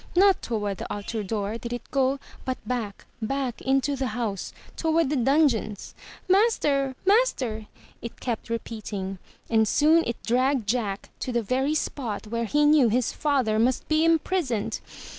Not toward the outer door did it go, but back, back into the house, toward the dungeons. "Master! Master!" it kept repeating, and soon it dragged Jack to the very spot where he knew his father must be imprisoned.